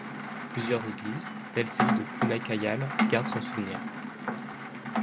Plusieurs églises, telle celle de Punnaikayal gardent son souvenir.